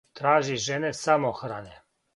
Тражи жене самохране,